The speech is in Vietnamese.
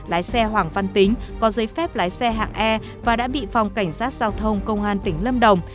lái xe hoàng văn tính có giấy phép lái xe hạng e và đã bị phòng cảnh sát giao thông công an tỉnh lâm đồng